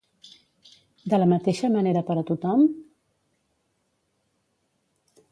De la mateixa manera per a tothom?